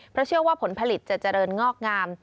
เพราะเชื่อว่าผลผลิตจะเจริญงอกงาม